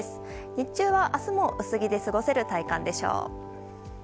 日中は明日も薄着で過ごせる体感でしょう。